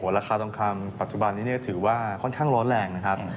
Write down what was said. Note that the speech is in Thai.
ราคาทองคำปัจจุบันนี้ถือว่าค่อนข้างร้อนแรงนะครับ